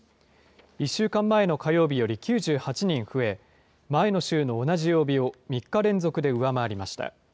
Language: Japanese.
１週間前の火曜日より９８人増え、前の週の同じ曜日を３日連続で上回りました。